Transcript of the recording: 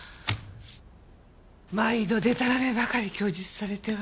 毎度でたらめばかり供述されては。